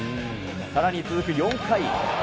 さらに続く４回。